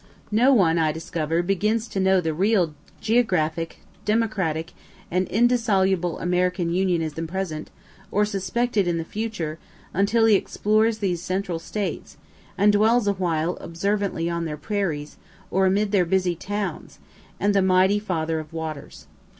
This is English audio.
No one, I discover, begins to know the real geographic, democratic, indissoluble American Union in the present, or suspect it in the future, until he explores these Central States, and dwells awhile observantly on their prairies, or amid their busy towns, and the mighty father of waters.